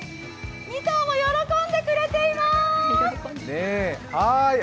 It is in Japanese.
２頭も喜んでくれています！